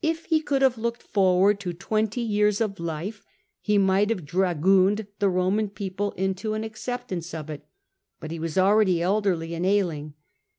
If he could have looked forward to twenty years of life, he might have dragooned the Eoman people into an acceptance of it ; but he was already elderly and ailing.